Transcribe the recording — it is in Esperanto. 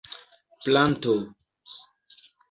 planto